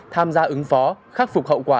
tham gia ứng phó khắc phục hậu quả